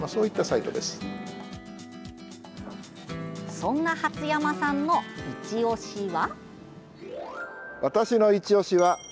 そんな初山さんのいちオシは？